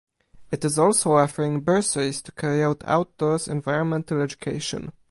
It is also offering bursaries to carry out outdoors environmental education.